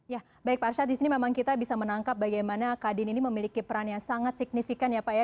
ya baik pak arsyad di sini memang kita bisa menangkap bagaimana kadin ini memiliki peran yang sangat signifikan ya pak ya